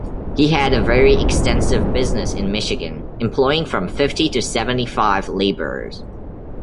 He had a very extensive business in Michigan employing from fifty to seventy-five laborers.